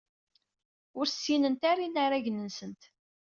Ur ssinent ara inaragen-nsent.